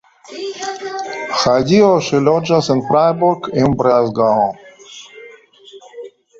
Hodiaŭ ŝi loĝas en Freiburg im Breisgau.